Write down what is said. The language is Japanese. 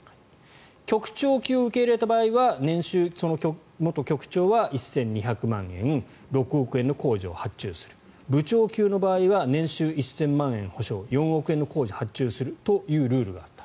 局長級を受け入れた場合は元局長は年収１２００万円６億円の工事を発注する部長級の場合は年収１０００万円保証４億円の工事を発注するというルールがあった。